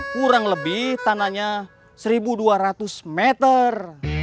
kurang lebih tanahnya satu dua ratus meter